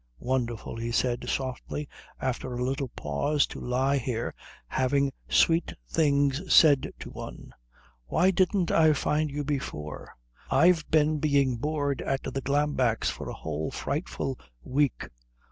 "Wonderful," he said softly, after a little pause, "to lie here having sweet things said to one. Why didn't I find you before? I've been being bored at the Glambecks' for a whole frightful week."